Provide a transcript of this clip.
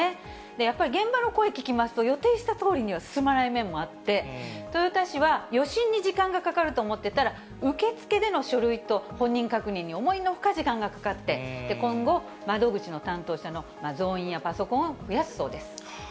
やっぱり現場の声聞きますと、予定したとおりには進まない面もあって、豊田市は予診に時間がかかると思ってたら、受付での書類と本人確認に思いのほか時間がかかって、今後、窓口の担当者の増員やパソコンを増やすそうです。